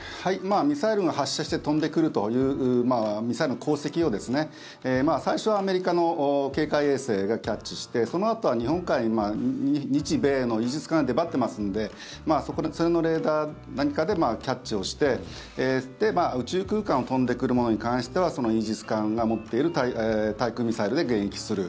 ミサイルが発射して飛んでくるというミサイルの航跡を最初はアメリカの警戒衛星がキャッチしてそのあとは日本海に日米のイージス艦が出張ってますのでそれのレーダーか何かでキャッチをして宇宙空間を飛んでくるものに関してはイージス艦が持っている対空ミサイルで迎撃する。